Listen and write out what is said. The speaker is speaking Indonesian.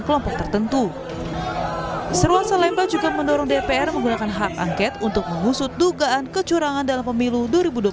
mereka mengingatkan pemerintah agar tidak merumuskan hukum yang mengabaikan kedaulatan rakyat dan menguantinkan keperluan